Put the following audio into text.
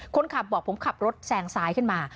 คนขับบอกผมขับรถแซงซ้ายขึ้นมา